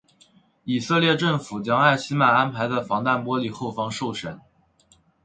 以色列政府将艾希曼安排在防弹玻璃后方受审。